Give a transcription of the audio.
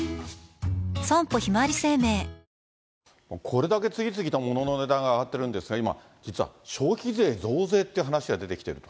これだけ次々と物の値段が上がってるんですが、今、実は消費税増税っていう話が出てきてる。